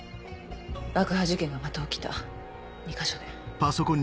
爆破事件がまた起きた２か所で。